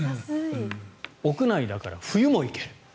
屋内だから冬も行ける。